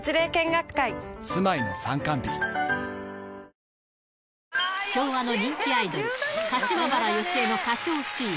よしえ、昭和の人気アイドル、柏原芳恵の歌唱シーン。